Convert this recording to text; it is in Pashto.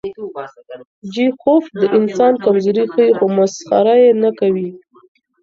چیخوف د انسان کمزوري ښيي، خو مسخره یې نه کوي.